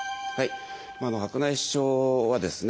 白内障はですね